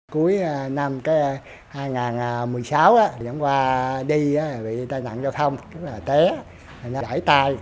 cuối năm hai nghìn một mươi sáu dẫn qua đi bị tai nạn giao thông tế đải tai